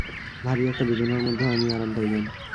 ভারী একটা বেদনার মধ্যেও আমি আরাম পাইলাম।